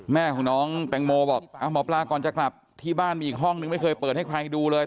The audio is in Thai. แม่ของน้องแตงโมบอกหมอปลาก่อนจะกลับที่บ้านมีอีกห้องนึงไม่เคยเปิดให้ใครดูเลย